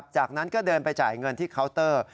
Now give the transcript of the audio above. จากนั้นก็เดินไปจ่ายเงินที่เคาน์เตอร์